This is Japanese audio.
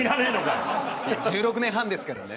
いや１６年半ですからね。